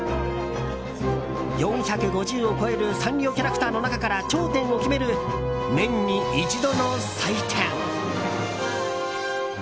４５０を超えるサンリオキャラクターの中から頂点を決める、年に一度の祭典。